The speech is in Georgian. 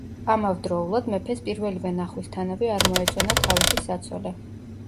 ამავდროულად, მეფეს პირველივე ნახვისთანავე არ მოეწონა თავისი საცოლე.